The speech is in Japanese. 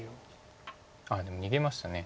あっでも逃げました。